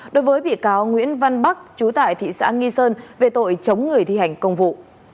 đối với bị cáo nguyễn văn bắc chú tại thị xã nghi sơn về tội chống người thi hành công vụ